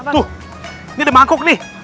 tuh ini ada mangkuk nih